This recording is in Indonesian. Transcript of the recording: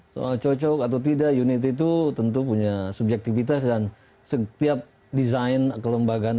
soal cocok atau tidak unit itu tentu punya subjektivitas dan setiap desain kelembagaan